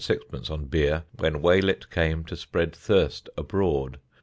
_ on beer when Waylett came to spread thirst abroad.